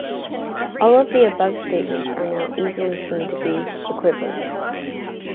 All of the above statements are now easily seen to be equivalent.